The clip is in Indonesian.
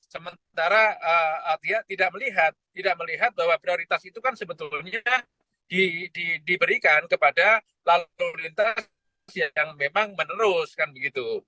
sementara dia tidak melihat bahwa prioritas itu kan sebetulnya diberikan kepada lalu lintas yang memang meneruskan begitu